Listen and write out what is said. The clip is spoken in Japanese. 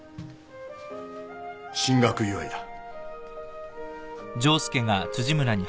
進学祝いだ